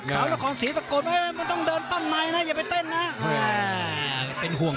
สาวนครศรีตะโกดต้องเดินตั้งในนะอย่าไปเต้นนะ